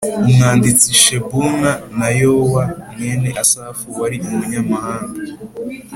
umwanditsi Shebuna, na Yowa mwene Asafu wari umunyamahanga,